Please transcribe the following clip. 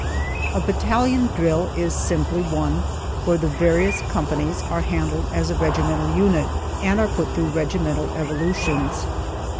A battalion drill is simply one where the various companies are handled as a regimental unit, and are put through regimental evolutions.